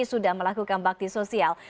sudah melakukan bakti sosial